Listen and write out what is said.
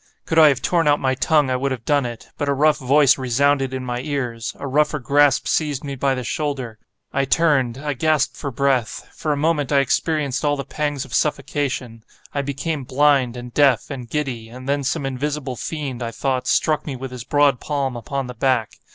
Could I have torn out my tongue, I would have done it, but a rough voice resounded in my ears—a rougher grasp seized me by the shoulder. I turned—I gasped for breath. For a moment I experienced all the pangs of suffocation; I became blind, and deaf, and giddy; and then some invisible fiend, I thought, struck me with his broad palm upon the back.